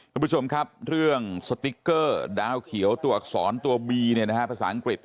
คุณผู้ชมครับเรื่องสติ๊กเกอร์ดาวเขียวตัวอักษรตัวบีภาษาอังกฤษ